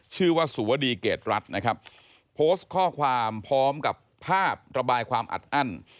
ชื่อว่าสุวดีเกรดรัฐนะครับโพสต์ข้อความพร้อมกับภาพระบายความอัดอั้น